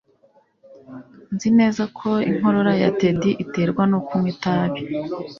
Nzi neza ko inkorora ya Ted iterwa no kunywa itabi